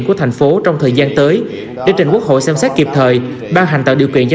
của thành phố trong thời gian tới để trình quốc hội xem xét kịp thời ban hành tạo điều kiện cho